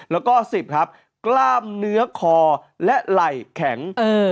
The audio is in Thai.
แล้วก็๑๐ครับกล้ามเนื้อคอและไหล่แข็ง